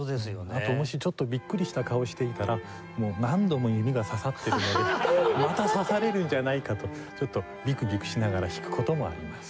あともしちょっとビックリした顔をしていたら何度も弓が刺さっているのでまた刺されるんじゃないかとちょっとビクビクしながら弾く事もあります。